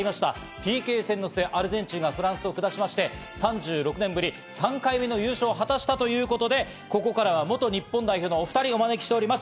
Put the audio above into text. ＰＫ戦の末、アルゼンチンがフランスを下しまして、３６年ぶり３回目の優勝を果たしたということで、ここからは元日本代表のお２人をお招きしております。